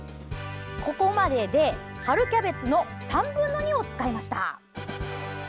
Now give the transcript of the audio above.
ここまでで、春キャベツの３分の２を使いました。